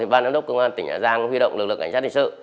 ban giám đốc công an tỉnh hà giang huy động lực lượng cảnh sát hình sự